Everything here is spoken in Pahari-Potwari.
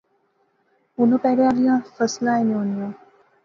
ہُن اوہ پہلے آلیاں فصلاں ہی نی ہونیاں